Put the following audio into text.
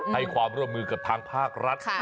ให้ความร่วมมือกับทางภาครัฐ